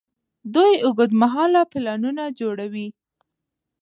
دوی اوږدمهاله پلانونه جوړوي.